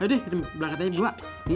ya dih belakang tanya gue